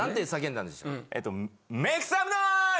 えっと。